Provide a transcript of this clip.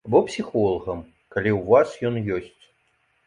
Або псіхолагам, калі ў вас ён ёсць.